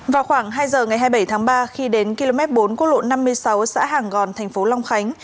vào khoảng hai h ngày hai mươi bảy tháng ba khi đến km bốn quốc lộ năm mươi sáu xã hàng gòn tp long khánh